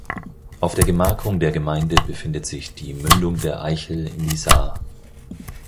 Auf der Gemarkung der Gemeinde befindet sich die Mündung der Eichel in die Saar.